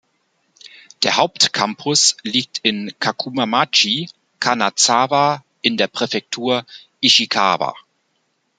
Der Hauptcampus liegt in Kakuma-machi, Kanazawa in der Präfektur Ishikawa.